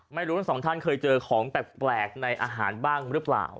ไม่รู้ทั้งสองท่านเคยเจอของแปลกในอาหารบ้างหรือเปล่า